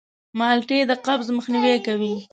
مالټې د قبض مخنیوی کوي.